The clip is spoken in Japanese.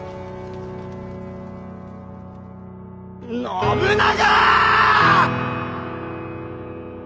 信長！